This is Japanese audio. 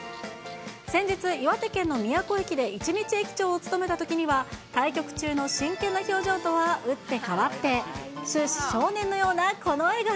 先日、岩手県の宮古駅で一日駅長を務めたときには、対局中の真剣な表情とは打って変わって、終始、少年のようなこの笑顔。